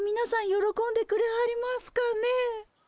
よろこんでくれはりますかねえ。